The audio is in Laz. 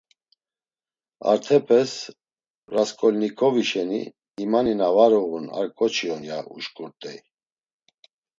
Artepes, Rasǩolnikovi şeni imani na var uğun ar ǩoçi on, yado uşǩurt̆ey.